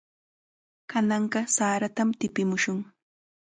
Kananqa saratam tipimushun.